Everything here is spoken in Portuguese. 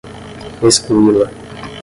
excluí-la